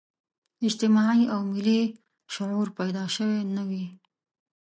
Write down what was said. اجتماعي او ملي شعور پیدا شوی نه وي.